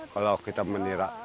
kalau kita menira